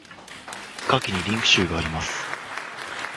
下記にリンク集があります。